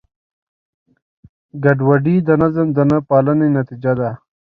ګډوډي د نظم د نهپالنې نتیجه ده.